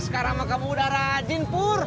sekarang mak kamu udah rajin pur